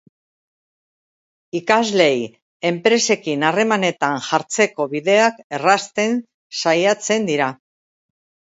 Ikasleei enpresekin harremanetan jartzeko bideak errazten saiatzen dira.